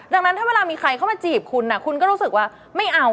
ดังนั้นถ้าเวลามีใครเข้ามาจีบคุณคุณก็รู้สึกว่าไม่เอา